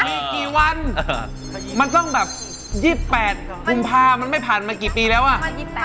มีกี่วันมันต้องแบบ๒๘กุมภามันไม่ผ่านมากี่ปีแล้วอ่ะ